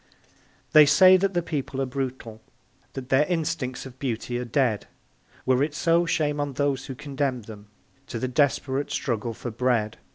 They say that the people are brutal That their instincts of beauty are dead Were it so, shame on those who condemn them To the desperate struggle for bread.